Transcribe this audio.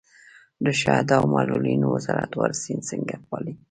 د شهدا او معلولینو وزارت وارثین څنګه پالي؟